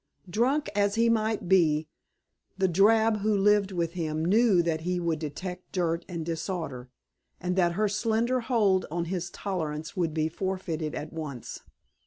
Drunk as he might be, the drab who lived with him knew that he would detect dirt and disorder, and that her slender hold on his tolerance would be forfeited at once.